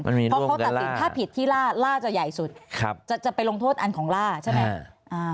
มันมีร่วมกันล่าถ้าผิดที่ล่าล่าจะใหญ่สุดจะไปลงโทษอันของล่าใช่ไหม